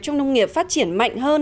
trong nông nghiệp phát triển mạnh hơn